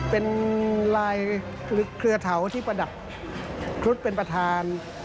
เป็นลายเครือเถาที่ประดับครุฑเป็นประธาน